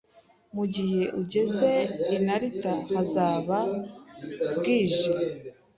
Mugihe ugeze i Narita, hazaba bwije